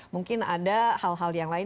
mungkin ada hal hal yang lain